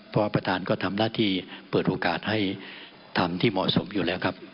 เพราะประธานก็ทำหน้าที่เปิดโอกาสให้ทำที่เหมาะสมอยู่แล้วครับ